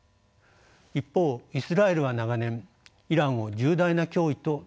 一方イスラエルは長年イランを重大な脅威と捉えてきました。